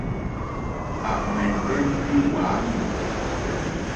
À mɛ̀nɛ́ ndí wàámì.